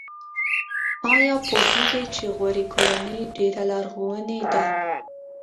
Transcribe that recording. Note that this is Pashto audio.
ایا پوهیږئ چې غوري کورنۍ ډېره لرغونې ده؟